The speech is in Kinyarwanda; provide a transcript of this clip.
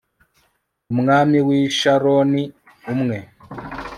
umwami w'i sharoni, umwe